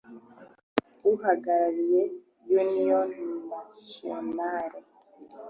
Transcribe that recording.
uhagarariye Union Nationale